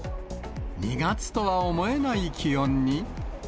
２月とは思えない気温に。